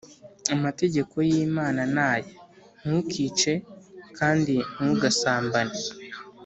amategeko y’imana naya:ntukice kandi ntugasambane